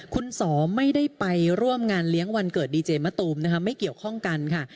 คุณสอไม่ได้ไปร่วมงานเลี้ยงวันเกิดดีเจมะตูมนะคะไม่เกี่ยวข้องกันค่ะ